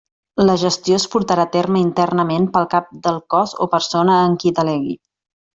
La gestió es portarà a terme internament pel Cap del Cos o persona en qui delegui.